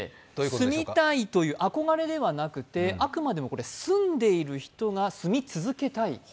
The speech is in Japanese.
住みたいという憧れではなくて、住んでいる人が住み続けたいか。